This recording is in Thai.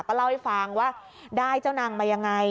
ก็เล่าให้ฟังว่าได้เจ้านางมายังไง